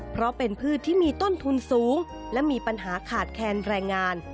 เพราะเป็นพืชที่มีต้นทุนสูงและมีปัญหาขาดแคลนแรงงาน